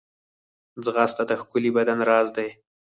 ځغاسته د ښکلي بدن راز دی